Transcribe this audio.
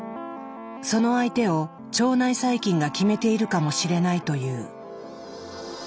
その相手を腸内細菌が決めているかもしれないという。